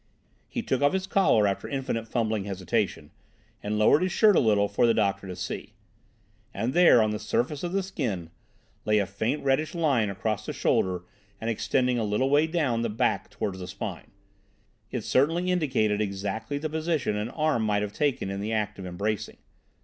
He took off his collar after infinite fumbling hesitation, and lowered his shirt a little for the doctor to see. And there, on the surface of the skin, lay a faint reddish line across the shoulder and extending a little way down the back towards the spine. It certainly indicated exactly the position an arm might have taken in the act of embracing.